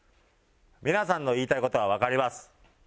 皆さんの言いたい事はわかります。